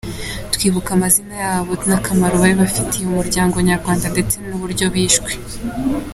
Twibuka amazina yabo n’akamaro bari bafitiye umuryango nyarwanda ndetse n’uburyo bishwe.